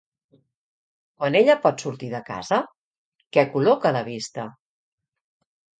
Quan ella pot sortir de casa, què col·loca a la vista?